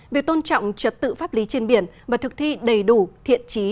việc tôn trọng trật tự pháp lý trên biển và thực thi đầy đủ thiện trí